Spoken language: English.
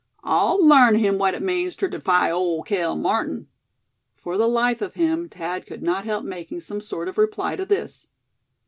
I'll larn him what it means ter defy Old Cale Martin." For the life of him Thad could not help making some sort of reply to this.